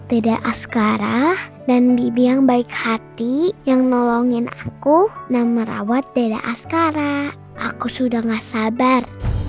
tidak askara dan bibi yang baik hati yang nolongin aku nama rawat deda askara aku sudah gak sabar